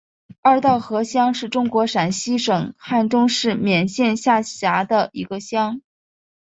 二道河乡是中国陕西省汉中市勉县下辖的一个乡。